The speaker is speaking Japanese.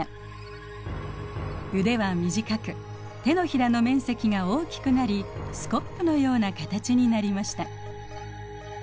腕は短く手のひらの面積が大きくなりスコップのような形になりました。